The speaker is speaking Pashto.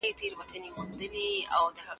مخامخ تته رڼا کي